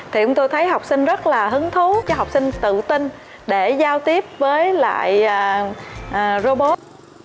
thì tôi thấy học sinh rất là hứng thú cho học sinh tự tin để giao tiếp với lại robot